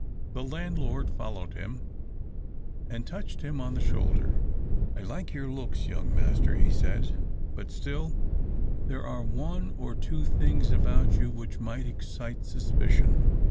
The landlord followed him, and touched him on the shoulder. "I like your looks, young master," he said; "but still there are one or two things about you which might excite suspicion.